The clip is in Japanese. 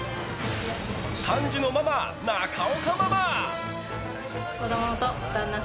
３児のママ、中岡ママ！